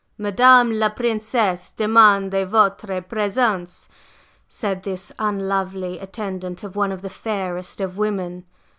"Madame la Princesse demande votre présence!" said this unlovely attendant of one of the fairest of women.